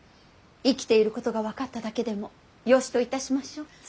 生きていることが分かっただけでもよしといたしましょう。